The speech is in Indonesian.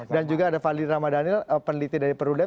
dan juga ada fadli ramadhanil peneliti dari perulem